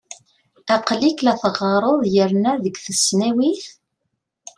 Aqel-ik la teɣɣareḍ yerna deg tesnawit ?